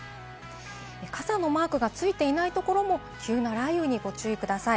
傘のマークがついていないところも急な雷雨にご注意ください。